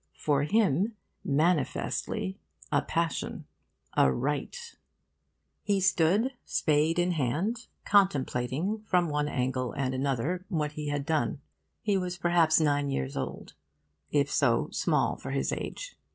For him, manifestly, a passion, a rite. He stood, spade in hand, contemplating, from one angle and another, what he had done. He was perhaps nine years old; if so, small for his age.